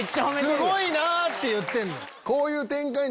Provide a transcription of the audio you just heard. すごいな！って言ってんねん。